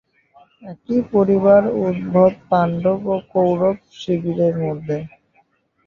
একই পরিবার উদ্ভূত পাণ্ডব ও কৌরব শিবিরের মধ্যে।